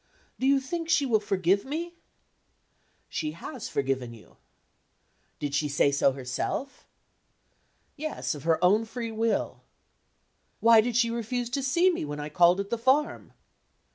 'Do you think she will forgive me?' 'She has forgiven you.' 'Did she say so herself?' 'Yes, of her own free will.' 'Why did she refuse to see me when I called at the farm?